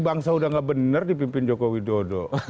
bangsa ini sudah tidak benar dipimpin jokowi dodo